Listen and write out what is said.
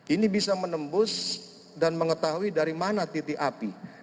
ini bisa menembus dan mengetahui dari mana titik api